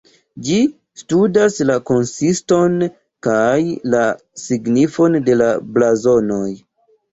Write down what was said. Ĝi studas la konsiston kaj la signifon de la blazonoj.